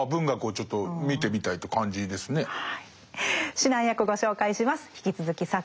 指南役ご紹介します。